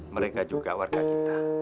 mereka juga warga kita